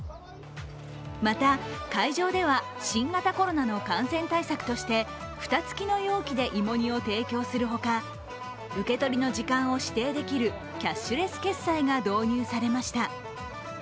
また、会場では新型コロナの感染対策として、蓋付きの容器で芋煮を提供するほか受け取りの時間を指定できるキャッシュレス決済が導入されました。